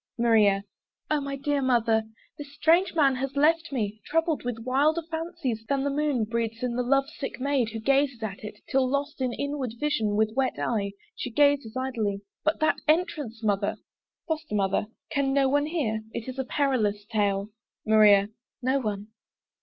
MARIA. O my dear Mother! this strange man has left me Troubled with wilder fancies, than the moon Breeds in the love sick maid who gazes at it, Till lost in inward vision, with wet eye She gazes idly! But that entrance, Mother! FOSTER MOTHER. Can no one hear? It is a perilous tale! MARIA. No one.